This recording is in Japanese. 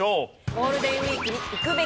ゴールデンウィークに行くべき！